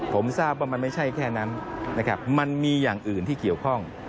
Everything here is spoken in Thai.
ผมทราบว่ามันไม่ใช่แค่นั้นนะครับมันมีอย่างอื่นที่เกี่ยวข้อง